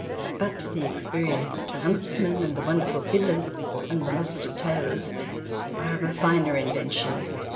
But the experienced huntsmen and the wonderful fiddlers and the lusty tailors are of a finer invention.